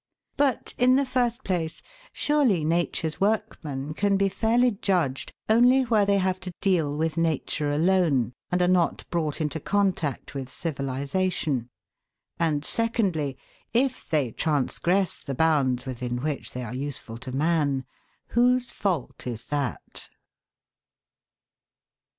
But, in the first place, surely Nature's workmen can be fairly judged only where they have to deal with Nature alone, and are not brought into contact with civilisation ; and, secondly, if they transgress the bounds within which they are useful to man, whose fault is that